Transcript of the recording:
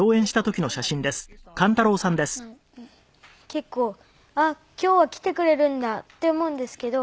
結構あっ今日は来てくれるんだって思うんですけど